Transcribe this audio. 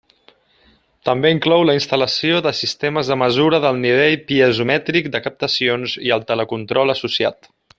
També inclou la instal·lació de sistemes de mesura del nivell piezomètric de captacions i el telecontrol associat.